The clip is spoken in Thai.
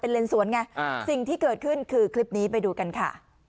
เลนสวนไงสิ่งที่เกิดขึ้นคือคลิปนี้ไปดูกันค่ะ